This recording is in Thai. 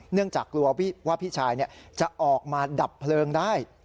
จากกลัวว่าพี่ชายจะออกมาดับเพลิงได้